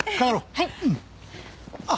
はい！